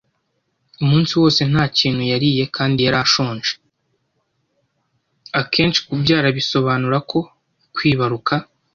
Akenshi kubyara bisonurako kwibaruka